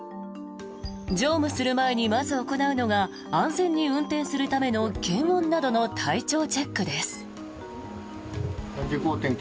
乗務する前にまず行うのが安全に運転するための検温などの体調チェックです。